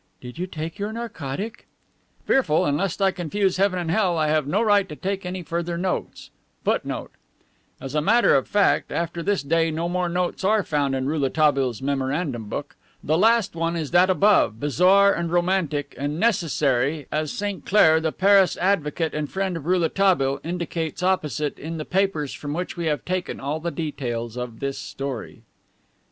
Did you take your narcotic?' "Fearful, and (lest I confuse heaven and hell) I have no right to take any further notes." As a matter of fact, after this day no more notes are found in Rouletabille's memorandum book. The last one is that above, bizarre and romantic, and necessary, as Sainclair, the Paris advocate and friend of Rouletabille, indicates opposite it in the papers from which we have taken all the details of this story.